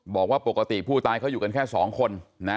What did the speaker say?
บอกว่าปกติผู้ตายเขาอยู่กันแค่๒คนนะ